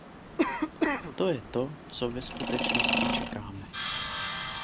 To je to, co ve skutečnosti čekáme.